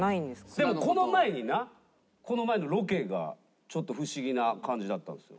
でもこの前になこの前のロケがちょっとフシギな感じだったんですよ。